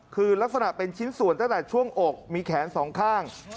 คือลักษณะเป็นชิ้นส่วนตั้งแต่ช่วงอกมีแขนสองข้าง